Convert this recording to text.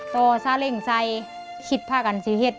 ต่อซาเล่งไซค์คิดพากันชีวิต